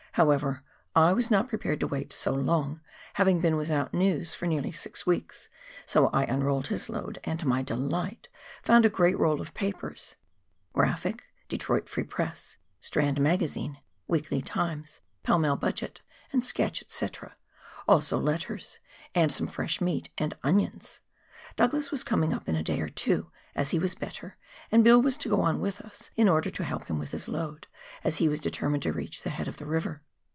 However, I was not prepared to wait so long, having been without news for nearly six weeks, so I unrolled his load, and, to my delight, found a great roll of papers, Graphic, Detroit Free Press, Strand Magazine, Weekly Times, Pall Mall Budget, and Sketch, &c., also letters, and some fresh meat and onions. Douglas was coming up in a day or two as he was better, and Bill was to go on with us in order to help him with his load, as he was determined to reach the head of the river.